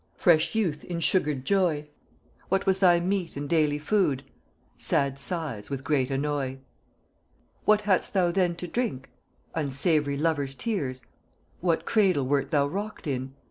"Fresh Youth in sugred joy." "What was thy meat and daily food?" "Sad sighs with great annoy." "What had'st thou then to drink?" "Unsavoury lovers' tears." "What cradle wert thou rocked in?"